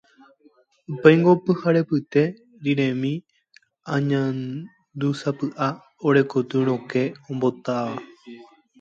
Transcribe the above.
Upéingo pyharepyte riremi añandúsapy'a ore koty rokẽ ombotáva.